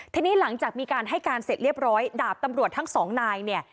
ทีนี้หลังจากมีการให้การเสร็จเรียบร้อยดาบตำรวจทั้งสองนายเนี่ย